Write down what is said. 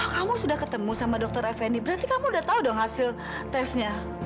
kamu sudah ketemu sama dokter effendi berarti kamu udah tahu dong hasil tesnya